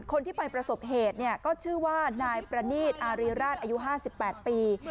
คนที่ไปประสบเหตุก็ชื่อว่านายประนีตอารีราชอายุ๕๘ปี